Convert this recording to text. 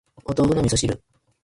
お豆腐の味噌汁